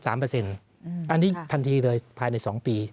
อันนี้ทันทีเลยภายใน๒ปี